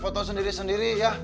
foto sendiri sendiri yah